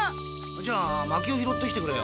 じゃあ薪を拾ってきてくれよ。